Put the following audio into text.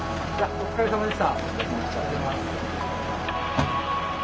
お疲れさまでした。